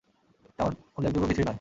তেমন উল্লেখযোগ্য কিছুই নয়।